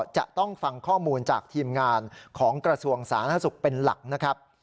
จะต้องฟังข้อมูลจากทีมงานของกระทรวงสาธารณสุขเป็นหลักนะครับ